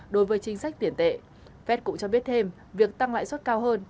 đối với chính sách tiền tệ phép cũng cho biết thêm việc tăng lãi xuất cao hơn